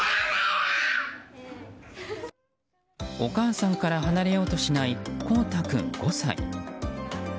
お母さんから離れようとしない光汰君、５歳。